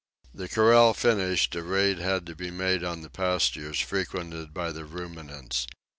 The corral finished, a raid had to be made on the pastures frequented by the ruminants.